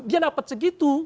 dia dapat segitu